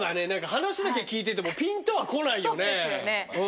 話だけ聞いててもぴんとはこないよね。